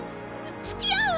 つきあう！